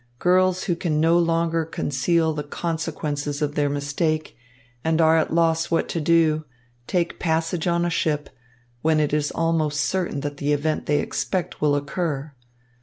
"Girls who can no longer conceal the consequences of their mistake and are at loss what to do, take passage on a ship, when it is almost certain that the event they expect will occur.